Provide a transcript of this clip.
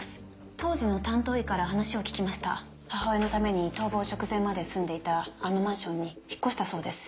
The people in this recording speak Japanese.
当時の担当医から話を聞きました母親のために逃亡直前まで住んでいたあのマンションに引っ越したそうです。